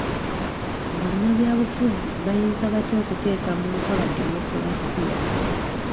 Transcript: Bannabyabufuzi bayinza batya okuteeka mu nkola demokolasiya?